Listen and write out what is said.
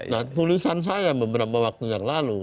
nah tulisan saya beberapa waktu yang lalu